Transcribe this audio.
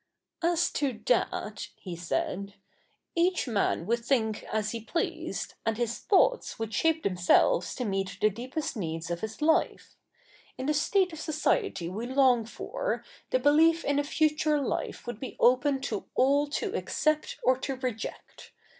' As to that,' he said, ' each man would think as he pleased, and his thoughts would shape themselves to meet CH. ii] THE NEW REPUBLIC 223 the deepest needs of his hfe. In the state of society we long for, the behef in a future hfe would be open to all to accept or to reject.